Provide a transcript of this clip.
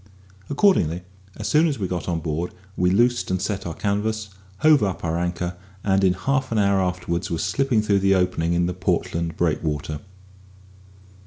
Accordingly, as soon as we got on board, we loosed and set our canvas, hove up our anchor, and in half an hour afterwards were slipping through the opening in the Portland Breakwater.